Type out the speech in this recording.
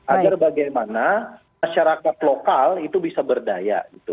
agar bagaimana masyarakat lokal itu bisa berdaya gitu